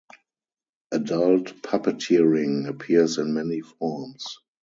Adult puppeteering appears in many forms.